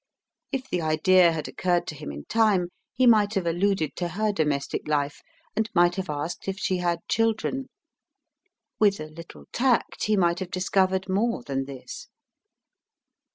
If the idea had occurred to him in time he might have alluded to her domestic life, and might have asked if she had children. With a little tact he might have discovered more than this.